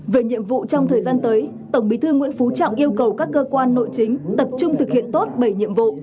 về nhiệm vụ trong thời gian tới tổng bí thư nguyễn phú trọng yêu cầu các cơ quan nội chính tập trung thực hiện tốt bảy nhiệm vụ